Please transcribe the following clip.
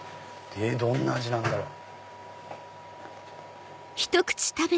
どんな味なんだろう？